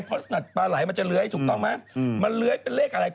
เพราะสนัดปลาไหลมันจะเลื้อยถูกต้องไหมมันเลื้อยเป็นเลขอะไร